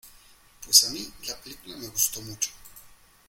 Pues a mí, la película me gustó mucho.